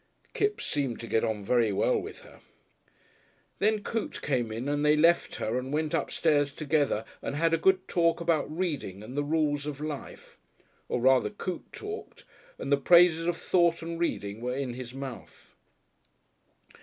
Kipps seemed to get on very well with her. Then Coote came in and they left her and went upstairs together and had a good talk about reading and the Rules of Life. Or rather Coote talked, and the praises of thought and reading were in his mouth....